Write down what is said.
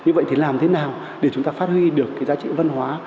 như vậy thì làm thế nào để chúng ta phát huy được cái giá trị văn hóa